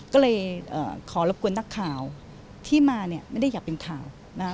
ก็เลยเอ่อขอรบกลัวหนักสำครัวที่มาเนี้ยไม่ได้อยากเป็นข่าวนะ